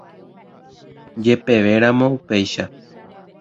Jepevéramo upéicha.